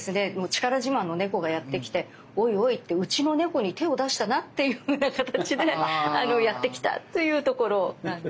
力自慢の猫がやって来ておいおいってうちの猫に手を出したなっていうふうな形でやって来たというところなんですね。